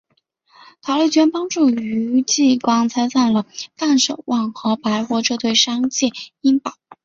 陶莉娟帮助于继光拆散了范守望与白活这对商界孖宝。